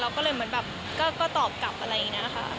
ก็เลยเหมือนแบบก็ตอบกลับอะไรอย่างนี้ค่ะ